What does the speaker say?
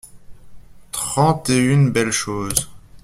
Trente et une belles choses.